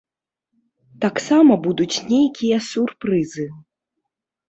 Таксама будуць нейкія сюрпрызы.